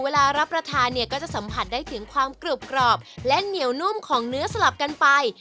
รับประทานเนี่ยก็จะสัมผัสได้ถึงความกรุบกรอบและเหนียวนุ่มของเนื้อสลับกันไป